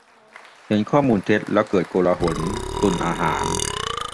- เห็นข้อมูลเท็จ แล้วเกิดโกลาหล-ตุนอาหาร